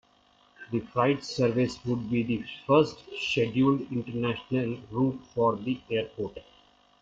The freight service would be the first scheduled international route for the airport.